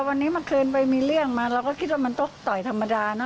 วันนี้เมื่อคืนไปมีเรื่องมาเราก็คิดว่ามันต้องต่อยธรรมดาเนอ